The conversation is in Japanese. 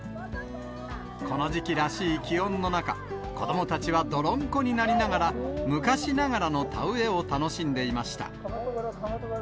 この時期らしい気温の中、子どもたちは泥んこになりながら、昔ながらの田植えを楽しんでいました。